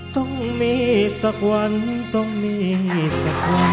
ต้องมีสักวันต้องมีสักวัน